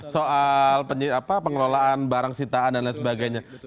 soal pengelolaan barang sitaan dan lain sebagainya